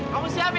kamu siap ya